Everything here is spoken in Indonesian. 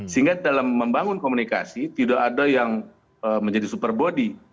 sehingga dalam membangun komunikasi tidak ada yang menjadi super body